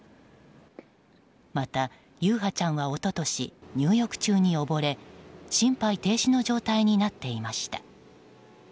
また、優陽ちゃんは一昨年入浴中におぼれ心肺停止の状態になっていました。